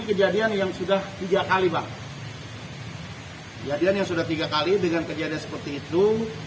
kejadian yang sudah tiga kali dengan kejadian seperti itu